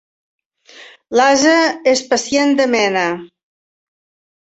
L'ase és pacient de mena.